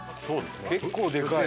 結構でかい。